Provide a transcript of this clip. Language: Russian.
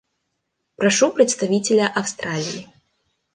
Прошу представителя Австралии.